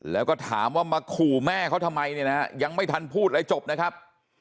แล้วก็ถามว่ามาขู่แม่เขาทำไมเนี่ยนะฮะยังไม่ทันพูดอะไรจบนะครับ